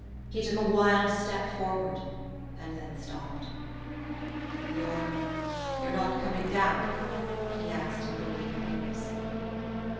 He took a wild step forward and then stopped. "You're you're not coming down?" he said in a bewildered voice.